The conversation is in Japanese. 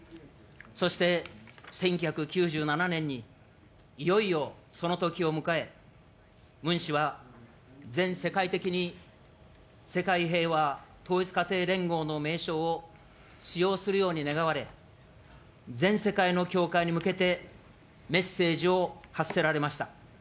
そして、１９９７年に、いよいよそのときを迎え、ムン氏は全世界的に、世界平和統一家庭連合の名称を使用するように願われ、全世界の教会に向けてメッセージを発せられました。